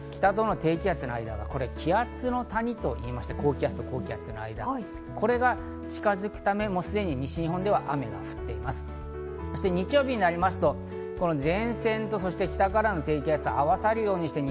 北との低気圧があって、気圧の谷と言いまして、高気圧と高気圧の間、これが近づくため、すでに西日本では雨マークとなっています。